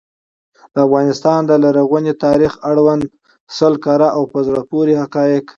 د افغانستان د لرغوني تاریخ اړوند سل کره او په زړه پوري حقایق.